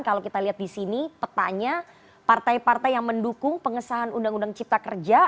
kalau kita lihat di sini petanya partai partai yang mendukung pengesahan undang undang cipta kerja